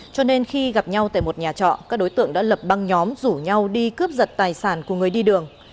cho nên khi gặp nhau tại một nhà trọ các đối tượng đã lập băng nhóm rủ nhau đi cướp giật tài sản của người đi đường